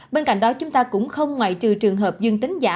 bên cạnh đó chúng ta cũng không ngoại trừ trường hợp dương tính giả